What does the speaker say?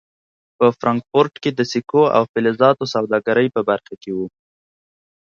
په فرانکفورټ کې د سکو او فلزاتو سوداګرۍ په برخه کې و.